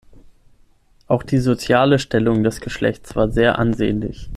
Auch die soziale Stellung des Geschlechts war sehr ansehnlich.